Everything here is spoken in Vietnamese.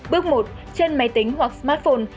bước một trên máy tính hoặc smartphone